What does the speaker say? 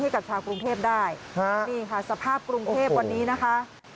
กับชาวกรุงเทพได้นี่ค่ะสภาพกรุงเทพวันนี้นะคะ